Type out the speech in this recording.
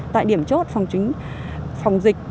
tại điểm chốt phòng dịch